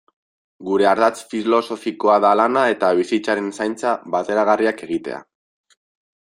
Gure ardatz filosofikoa da lana eta bizitzaren zaintza bateragarriak egitea.